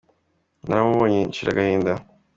Naramubonye nshira agahinda